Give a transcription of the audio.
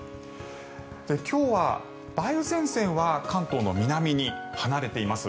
今日は梅雨前線は関東の南に離れています。